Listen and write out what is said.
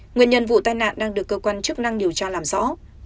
nguyên nhân vụ tai nạn đang được cơ quan chức năng điều tra làm rõ